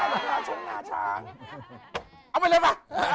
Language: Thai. เอาไปเลยว่ะ